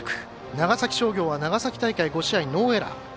長崎商業は長崎大会５試合ノーエラー。